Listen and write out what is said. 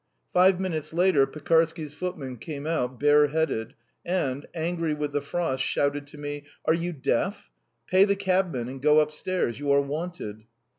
Five minutes later Pekarsky's footman came out, bareheaded, and, angry with the frost, shouted to me: "Are you deaf? Pay the cabmen and go upstairs. You are wanted!"